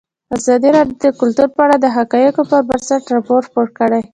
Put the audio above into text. ازادي راډیو د کلتور په اړه د حقایقو پر بنسټ راپور خپور کړی.